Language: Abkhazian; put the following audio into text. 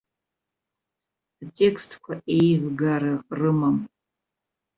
Атекстқәа еивгара рымам.